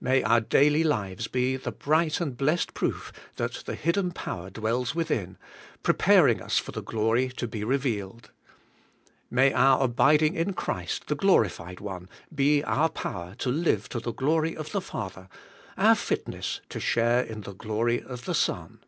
May our daily lives be the bright and blessed proof that the hidden power dwells within, preparing us for the glory to be revealed. May our abiding in Christ the Glorified One be our power to live to the glory of the Father, our fitness to share in the glory of the Son.